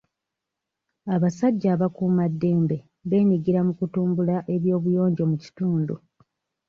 Abasajja abakuumaddembe beenyigira mu kutumbula eby'obuyonjo mu kitundu.